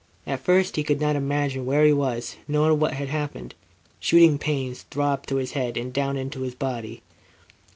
At first, he could not imagine where he was nor what had happened. Shooting pains throbbed through his head and down into his arms and body.